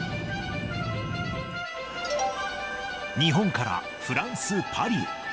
日本からフランス・パリへ。